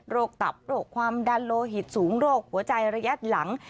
ตับโรคความดันโลหิตสูงโรคหัวใจระยะหลัง